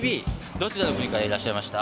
どちらの国からいらっしゃいました？